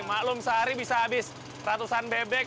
maklum sehari bisa habis ratusan bebek